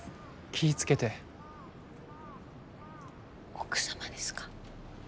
奥様ですか？